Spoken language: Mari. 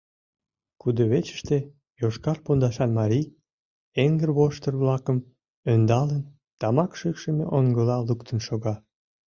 Кудывечыште йошкар пондашан марий, эҥырвоштыр-влакым ӧндалын, тамак шикшым оҥгыла луктын шога.